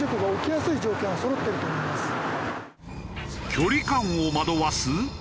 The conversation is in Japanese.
距離感を惑わす！？